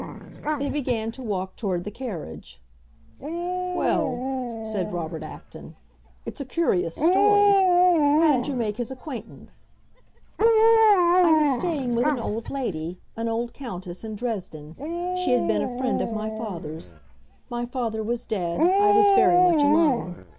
'" They began to walk toward the carriage. "Well," said Robert Acton, "it's a curious story! How did you make his acquaintance?" "I was staying with an old lady—an old Countess—in Dresden. She had been a friend of my father's. My father was dead; I was very much alone.